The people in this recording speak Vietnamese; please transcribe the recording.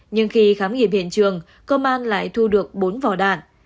nhưng khi khám nghiệm hiện trường công an lại thu được bốn vỏ đạn